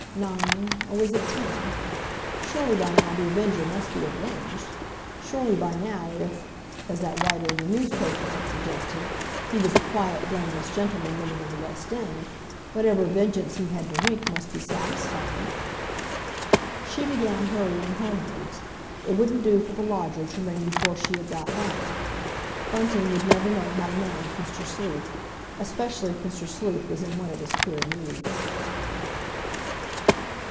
Nine, or was it ten? Surely by now The Avenger must be avenged? Surely by now, if—as that writer in the newspaper had suggested—he was a quiet, blameless gentleman living in the West End, whatever vengeance he had to wreak, must be satisfied? She began hurrying homewards; it wouldn't do for the lodger to ring before she had got back. Bunting would never know how to manage Mr. Sleuth, especially if Mr. Sleuth was in one of his queer moods.